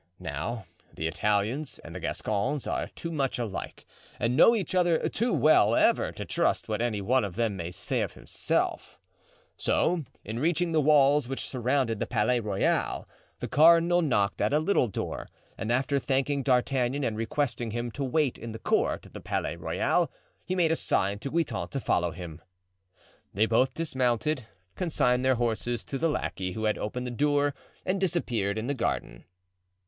Now the Italians and the Gascons are too much alike and know each other too well ever to trust what any one of them may say of himself; so in reaching the walls which surrounded the Palais Royal, the cardinal knocked at a little door, and after thanking D'Artagnan and requesting him to wait in the court of the Palais Royal, he made a sign to Guitant to follow him. They both dismounted, consigned their horses to the lackey who had opened the door, and disappeared in the garden.